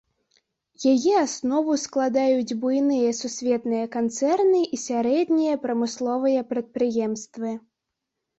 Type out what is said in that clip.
Яе аснову складаюць буйныя сусветныя канцэрны і сярэднія прамысловыя прадпрыемствы.